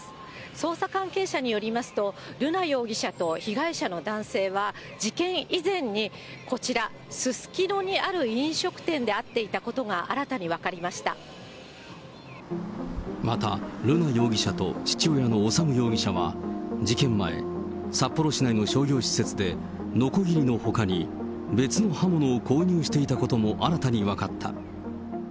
捜査関係者によりますと、瑠奈容疑者と被害者の男性は、事件以前に、こちら、すすきのにある飲食店で会っていたことが新たに分かりままた、瑠奈容疑者と父親の修容疑者は、事件前、札幌市内の商業施設でのこぎりのほかに別の刃物を購入していたことも新たに分かった。